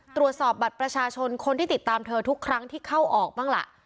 ตรวจสอบบัตรประชาชนคนที่ติดตามเธอทุกครั้งที่เข้าออกบ้างล่ะ